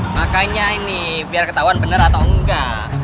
makanya ini biar ketahuan bener atau engga